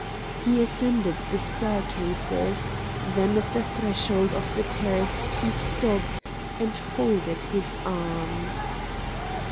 He ascended the staircases; then at the threshold of the terrace he stopped and folded his arms.